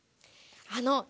あの。